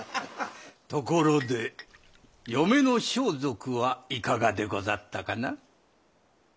ところで嫁の装束はいかがでござったかな？